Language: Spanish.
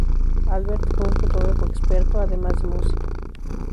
Albert fue un fotógrafo experto, además de músico.